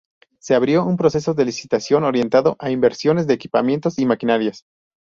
Se abrió un proceso de licitación orientado a inversiones de equipamientos y maquinarias.